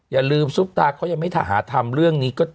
อย่าลืมสุขตาเขายังไม่ถาภาษ์ทำเรื่องนี้